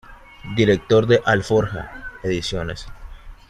Director de "Alforja" Ediciones.